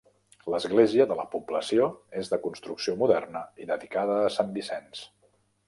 L'església de la població és de construcció moderna i dedicada a Sant Vicenç.